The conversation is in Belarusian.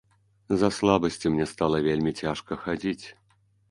З-за слабасці мне стала вельмі цяжка хадзіць.